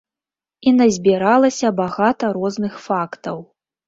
І назбіралася багата розных фактаў.